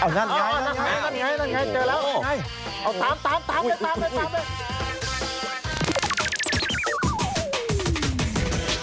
อ้าวนั่นไงมันเจอแล้วเจอแล้วตามเลยตาม